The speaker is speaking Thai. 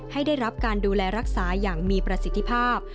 ให้ได้รับการดูแลรักษาอย่างมีประสิทธิภาพ